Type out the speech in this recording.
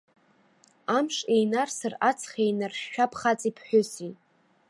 Амш еинарсыр, аҵх еиннаршәап хаҵеи ԥҳәыси.